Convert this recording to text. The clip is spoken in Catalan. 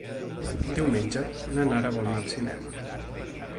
Diumenge na Nara vol anar al cinema.